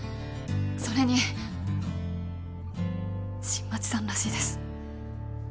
それに新町さんらしいです